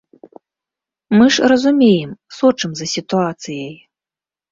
Мы ж разумеем, сочым за сітуацыяй!